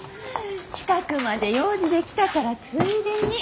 近くまで用事で来たからついでに。